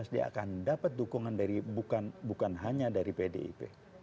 dua ribu sembilan belas dia akan dapat dukungan dari bukan hanya dari pdip